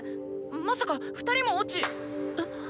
まさか２人も落ち。え？